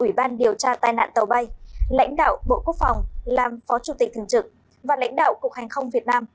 ủy ban điều tra tai nạn tàu bay lãnh đạo bộ quốc phòng làm phó chủ tịch thường trực và lãnh đạo cục hàng không việt nam